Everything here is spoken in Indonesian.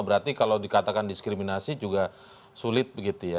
berarti kalau dikatakan diskriminasi juga sulit begitu ya